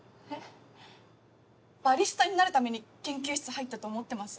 バリスタになるために研究室入ったと思ってます？